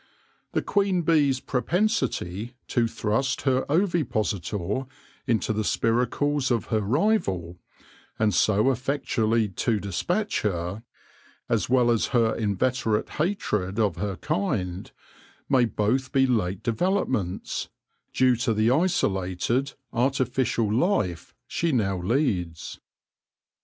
The queen bee's pro pensity to thrust her ovipositor into the spiracles of her rival, and so effectually to despatch her, as well as her inveterate hatred of her kind, may both be late developments, due to the isolated, artificial life she now leads.